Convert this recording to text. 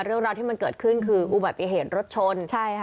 เรื่องราวที่มันเกิดขึ้นคืออุบัติเหตุรถชนใช่ค่ะ